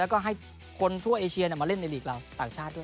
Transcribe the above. แล้วก็ให้คนทั่วเอเชียมาเล่นในหลีกเราต่างชาติด้วย